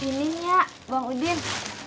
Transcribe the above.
ini ya bang udin